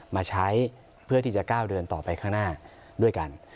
มาใช้เพื่อที่จะก้าวเดินต่อไปข้างหน้าด้วยกัน